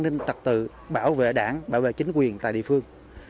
an ninh trật tự bảo vệ đảng bảo vệ chính quyền tại địa phương